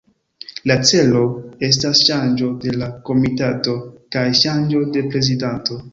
La celo estas ŝanĝo de la komitato, kaj ŝanĝo de prezidanto.